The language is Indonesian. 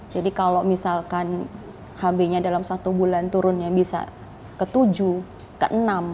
jadi kalau misalkan hb nya dalam satu bulan turunnya bisa ke tujuh ke enam